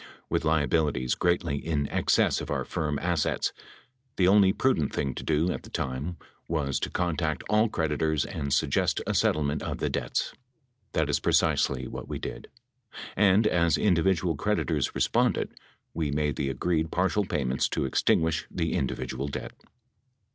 With liabilities greatly in excess of our firm assets, the only prudent thing to do at the time was to contact all creditors and suggest a settlement of the debts. That is precisely what we did. And as individual creditors responded, we made the agreed partial payments to extinguish the individual debt.